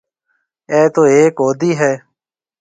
اَي تو هيڪ هودَي هيَ؟